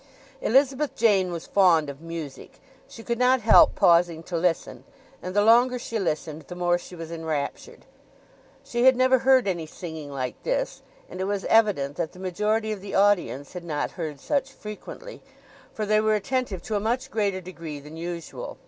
Elizabeth Jane was fond of music; she could not help pausing to listen; and the longer she listened the more she was enraptured. She had never heard any singing like this and it was evident that the majority of the audience had not heard such frequently, for they were attentive to a much greater degree than usual.